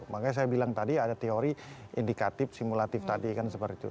makanya saya bilang tadi ada teori indikatif simulatif tadi kan seperti itu